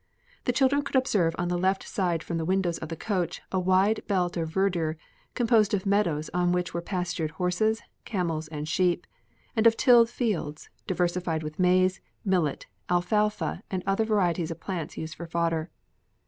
The children could observe on the left side from the windows of the coach a wide belt of verdure composed of meadows on which were pastured horses, camels, and sheep, and of tilled fields, diversified with maize, millet, alfalfa, and other varieties of plants used for fodder.